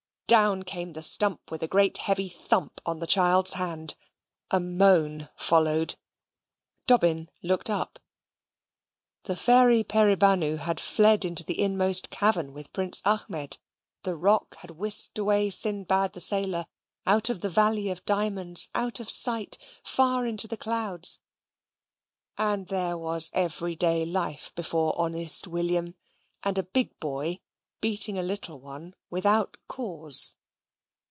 Down came the stump with a great heavy thump on the child's hand. A moan followed. Dobbin looked up. The Fairy Peribanou had fled into the inmost cavern with Prince Ahmed: the Roc had whisked away Sindbad the Sailor out of the Valley of Diamonds out of sight, far into the clouds: and there was everyday life before honest William; and a big boy beating a little one without cause.